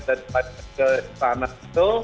dan ke sana itu